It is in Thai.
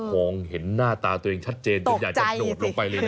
มองเห็นหน้าตาตัวเองชัดเจนจนอยากจะโดดลงไปเลยนะ